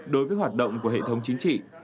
đối với hoạt động của hệ thống chính trị